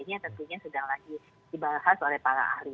ini yang tentunya sedang lagi dibahas oleh para ahli